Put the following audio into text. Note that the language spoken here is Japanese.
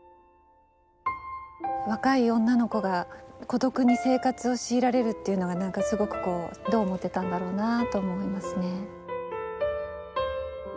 若い女の子が孤独に生活を強いられるっていうのが何かすごくこうどう思ってたんだろうなあと思いますね。